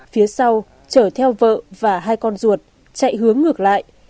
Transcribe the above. phía sau chở theo vợ và hai con ruột chạy hướng ngược lại